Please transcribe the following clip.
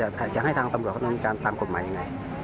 ตอนนี้ไปจะให้ทางตำรวจเขาต้องการตามกฎหมายไง